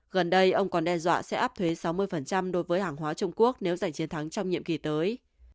gần đây ông còn đe dọa sẽ áp thuế sáu mươi đối với hàng hóa trung quốc nếu giành chiến thắng trong nhiệm kỳ tới